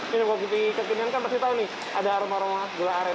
minum kopi kekinian kan pasti tahu nih ada aroma aroma gula aren